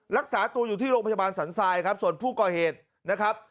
รักษาตัวอยู่ที่โรงพยาบาลสันทรายครับส่วนผู้ก่อเหตุนะครับ